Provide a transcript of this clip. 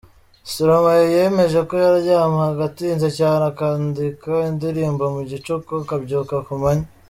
Stromae yemeje ko yaryamaga atinze cyane, akandika indirimbo mu gicuku, akabyuka ku manywa.